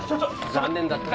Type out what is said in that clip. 残念だったね。